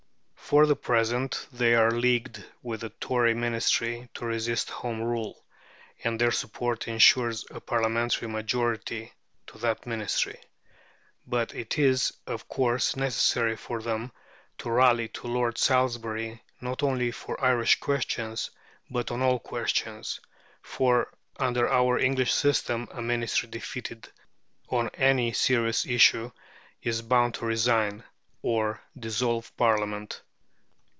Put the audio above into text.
For the present they are leagued with the Tory Ministry to resist Home Rule, and their support insures a parliamentary majority to that Ministry. But it is, of course, necessary for them to rally to Lord Salisbury, not only on Irish questions, but on all questions; for, under our English system, a Ministry defeated on any serious issue is bound to resign, or dissolve Parliament.